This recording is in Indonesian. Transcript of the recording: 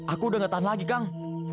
aku udah gak tahan lagi kang